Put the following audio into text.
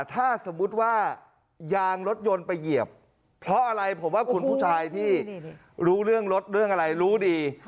ถ้าสมมุติว่ายางรถยนต์ไปเหยียบเพราะอะไรผมว่าคุณผู้ชายที่รู้เรื่องรถเรื่องอะไรรู้ดี